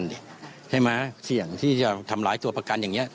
ใช่ไหมเสี่ยงที่จะทำร้ายตัวประกันอย่างนี้